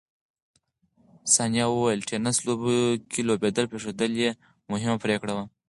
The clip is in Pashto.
ثانیه وویل، ټېنس لوبو کې لوبېدل پرېښودل یې مهمه پرېکړه وه.